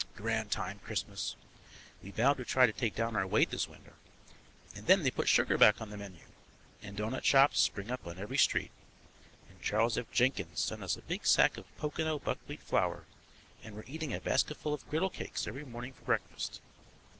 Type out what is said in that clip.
Grand time, Christmas! We vowed to try to take down our weight this winter, and then they put sugar back on the menu, and doughnut shops spring up on every street, and Charles F. Jenkins sent us a big sack of Pocono buckwheat flour and we're eating a basketful of griddle cakes every morning for breakfast.